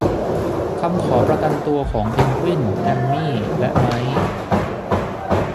คำขอประกันตัวของเพนกวิน แอมมี่ และไมค์